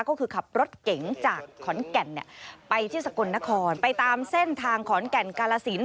ก็คือขับรถเก๋งจากขอนแก่นไปที่สกลนครไปตามเส้นทางขอนแก่นกาลสิน